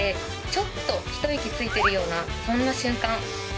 「ちょっと一息ついてるようなそんな瞬間」